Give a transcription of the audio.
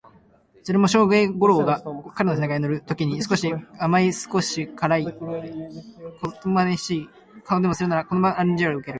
それも平生吾輩が彼の背中へ乗る時に少しは好い顔でもするならこの漫罵も甘んじて受けるが、